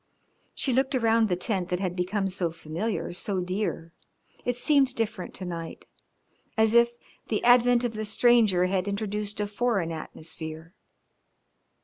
She looked around the tent that had become so familiar, so dear. It seemed different to night, as if the advent of the stranger had introduced a foreign atmosphere.